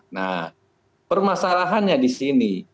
nah permasalahannya di sini